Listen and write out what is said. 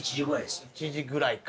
１時ぐらいか。